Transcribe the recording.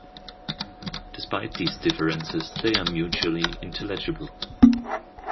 Despite these differences, they are mutually intelligible.